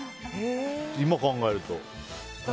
今考えると。